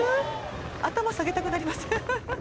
頭下げたくなりません？